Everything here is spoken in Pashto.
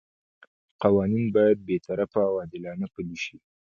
قوانین باید بې طرفه او عادلانه پلي شي.